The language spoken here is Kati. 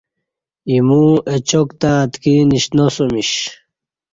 ایمو اچاک تہ اتکی نیشناسمیش